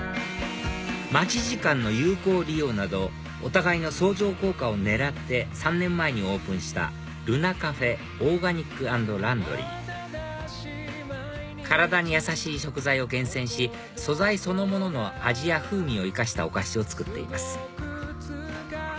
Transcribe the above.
待ち時間の有効利用などお互いの相乗効果を狙って３年前にオープンしたＬＵＮＡＣＡＦＥＯＲＧＡＮＩＣＡＮＤＬＡＵＮＤＲＹ体にやさしい食材を厳選し素材そのものの味や風味を生かしたお菓子を作っています